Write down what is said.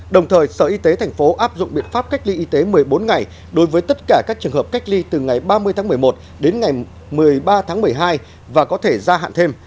đồng thời sở y tế thành phố áp dụng biện pháp cách ly y tế một mươi bốn ngày đối với tất cả các trường hợp cách ly từ ngày ba mươi tháng một mươi một đến ngày một mươi ba tháng một mươi hai và có thể gia hạn thêm